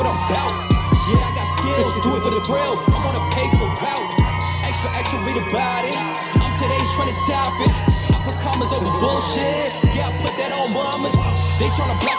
ถ้าเต้นเค้าจะออก